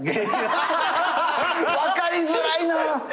分かりづらいな。